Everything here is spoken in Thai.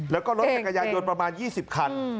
แล้วก็รถจักรยายนต์ประมาณ๒๐คัน